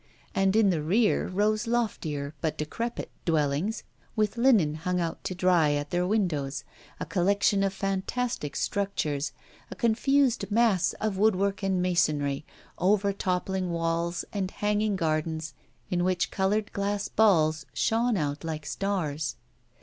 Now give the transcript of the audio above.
And in the rear rose loftier, but decrepit, dwellings, with linen hung out to dry at their windows, a collection of fantastic structures, a confused mass of woodwork and masonry, overtoppling walls, and hanging gardens, in which coloured glass balls shone out like stars.